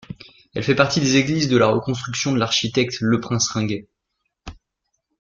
Elle fait partie des églises de la reconstruction de l'architecte Leprince-Ringuet.